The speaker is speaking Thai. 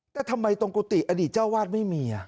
แต่ทำไมตรงกุฏิอดีตเจ้าวาดไม่มี